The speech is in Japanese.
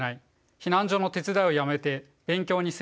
避難所の手伝いをやめて勉強に専念する？」。